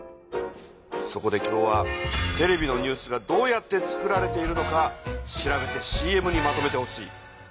そこで今日はテレビのニュースがどうやって作られているのか調べてＣＭにまとめてほしい。